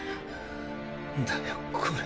んだよこれ。